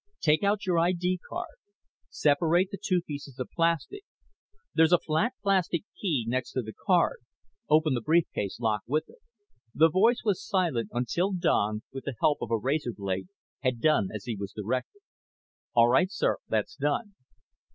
"Take out your ID card. Separate the two pieces of plastic. There's a flat plastic key next to the card. Open the brief case lock with it." The voice was silent until Don, with the help of a razor blade, had done as he was directed. "All right, sir; that's done."